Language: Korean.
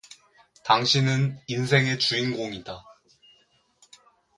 당신은 인생의 주인공이다.